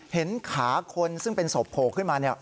เห็นขาคนซึ่งเป็นศพโผล่ขึ้นมาเนี่ย